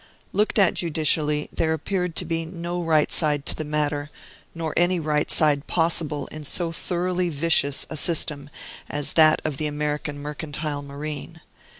Looked at judicially, there appeared to be no right side to the matter, nor any right side possible in so thoroughly vicious a system as that of the American mercantile marine.